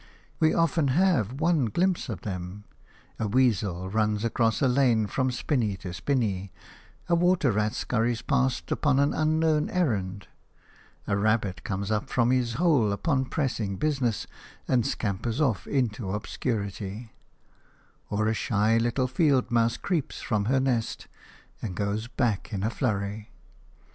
We often have one glimpse of them – a weasel runs across a lane from spinney to spinney; a water rat scurries past upon an unknown errand; a rabbit comes up from his hole upon pressing business and scampers off into obscurity; or a shy little field mouse creeps from her nest and goes back in a flurry.